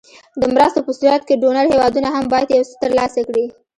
د مرستو په صورت کې ډونر هېوادونه هم باید یو څه تر لاسه کړي.